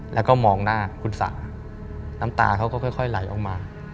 แล้วก็มองหน้าคุณสาน้ำตาเขาก็ค่อยไหลออกมา